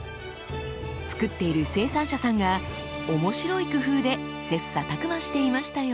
作っている生産者さんが面白い工夫で切磋琢磨していましたよ。